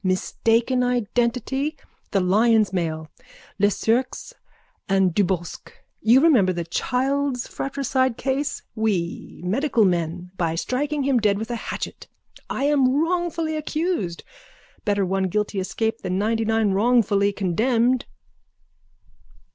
Mistaken identity. The Lyons mail. Lesurques and Dubosc. You remember the Childs fratricide case. We medical men. By striking him dead with a hatchet. I am wrongfully accused. Better one guilty escape than ninetynine wrongfully condemned.